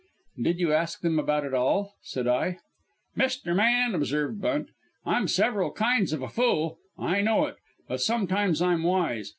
"Did you ask them about it all?" said I. "Mister Man," observed Bunt. "I'm several kinds of a fool; I know it. But sometimes I'm wise.